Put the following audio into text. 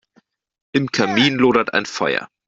Im Kamin lodert ein Feuer.